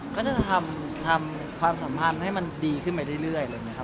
เขาจะทำความสัมพันธ์ให้มันดีขึ้นไปเรื่อย